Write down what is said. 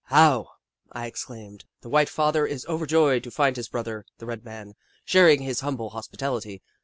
"How!" I exclaimed. "The White Father is overjoyed to find his brother, the Red Man, sharing his humble hospitality.